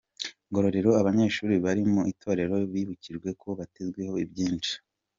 Ngororero Abanyeshuri bari mu itorero bibukijwe ko batezweho byinshi